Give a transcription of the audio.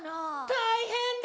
大変だ！